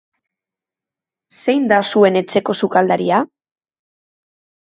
Zein da zuen etxeko sukaldaria?